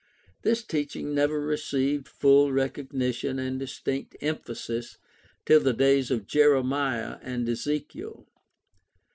This teaching never received full recognition and distinct emphasis till the days of Jeremiah and Ezekiel.